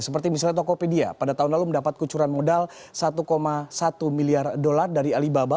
seperti misalnya tokopedia pada tahun lalu mendapat kucuran modal satu satu miliar dolar dari alibaba